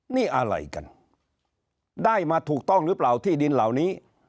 นี่อะไรกันได้มาถูกต้องหรือเปล่าที่ดินเหล่านี้